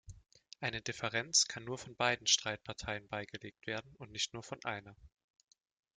Eine Differenz kann nur von beiden Streitparteien beigelegt werden und nicht nur von einer.